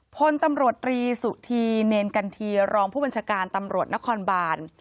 พลตำรวจรีสุธีเนรกันทีรองผู้บัญชาการตำรวจนครบาน